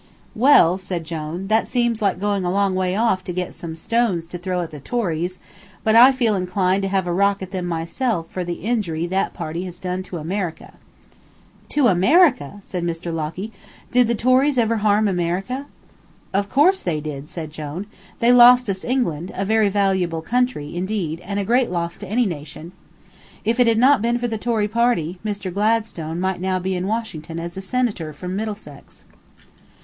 "Well," said Jone, "that seems like going a long way off to get some stones to throw at the Tories, but I feel inclined to heave a rock at them myself for the injury that party has done to America." "To America!" said Mr. Locky, "Did the Tories ever harm America?" "Of course they did," said Jone; "they lost us England, a very valuable country, indeed, and a great loss to any nation. If it had not been for the Tory party, Mr. Gladstone might now be in Washington as a senator from Middlesex."